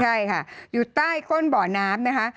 ใช่ค่ะอยู่ใต้ก้นบ่อน้ำนะคะ